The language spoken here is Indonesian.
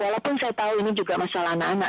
walaupun saya tahu ini juga masalah anak anak